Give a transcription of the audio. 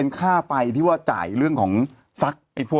นุ๊กเขาก็งงว่า